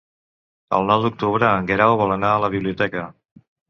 El nou d'octubre en Guerau vol anar a la biblioteca.